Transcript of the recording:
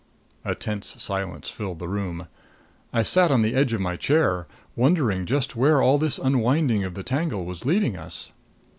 A tense silence filled the room. I sat on the edge of my chair, wondering just where all this unwinding of the tangle was leading us.